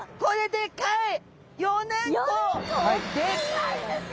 でかいですよ。